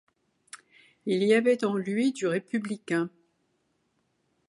Il y avait en lui du républicain.